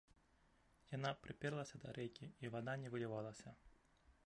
Яна прыперлася да рэйкі, і вада не вылівалася.